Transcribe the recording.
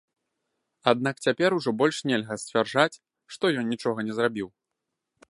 Аднак цяпер ужо больш нельга сцвярджаць, што ён нічога не зрабіў.